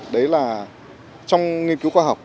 đấy là trong nghiên cứu khoa học